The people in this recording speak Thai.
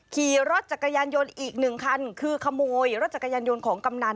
ขี่รถจักรยานยนต์อีกหนึ่งคันคือขโมยรถจักรยานยนต์ของกำนัน